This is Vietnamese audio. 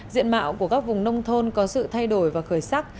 diện mạo của các vùng nông thôn có sự thay đổi và khởi sắc